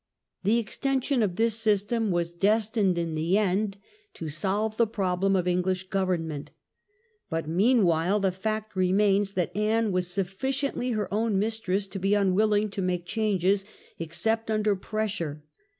The extension of this system was destined in the end to solve the problem of English government. But mean; while the fact remains that Anne was sufficiently her own mistress to be unwilling to make changes except under pressure.